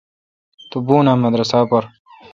تو بھوں اں مدرسہ پر۔